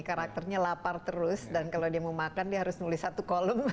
karakternya lapar terus dan kalau dia mau makan dia harus nulis satu kolom